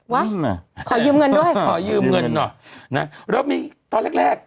ขอยืมเงินด้วยขอยืมเงินหน่อยนะแล้วมีตอนแรกแรก